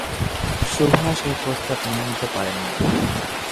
সুভাষ এ প্রস্তাব মেনে নিতে পারেন নি।